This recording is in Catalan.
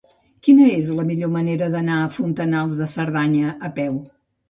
Quina és la millor manera d'anar a Fontanals de Cerdanya a peu?